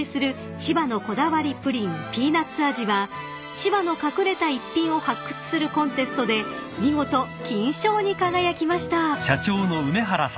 千葉の隠れた逸品を発掘するコンテストで見事金賞に輝きました］